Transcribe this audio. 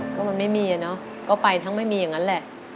ก็มันไม่มีอ่ะเนอะก็ไปทั้งไม่มีอย่างนั้นแหละ